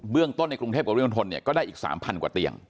เบื้องต้นในกรุงเทพกว่าเรียนพันธนเนี่ยก็ได้อีก๓๐๐๐กว่าเตียง